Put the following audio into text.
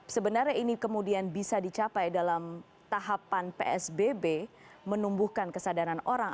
sebenarnya ini kemudian bisa dicapai dalam tahapan psbb menumbuhkan kesadaran orang